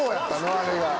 あれが。